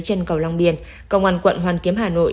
trên cầu long biên công an quận hoàn kiếm hà nội